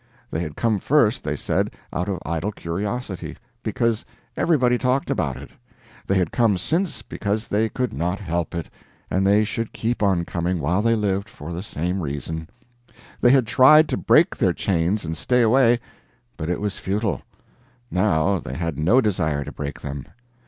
They had come first, they said, out of idle curiosity, because everybody talked about it; they had come since because they could not help it, and they should keep on coming, while they lived, for the same reason; they had tried to break their chains and stay away, but it was futile; now, they had no desire to break them.